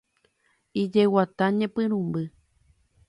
Ijeguata ñepyrũmby.